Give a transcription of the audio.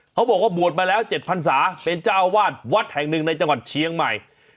เขาบอกว่าบวชมาแล้ว๗พันศาเป็นเจ้าอาวาสวัดแห่งหนึ่งในจังหวัดเชียงใหม่